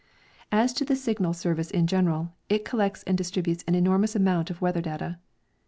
As to the Signal service in general, it collects and distributes an enormous amount of weather data.